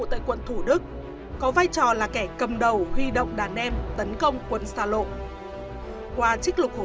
tại quận thủ đức có vai trò là kẻ cầm đầu huy động đàn em tấn công quân xa lộ qua trích lục hồ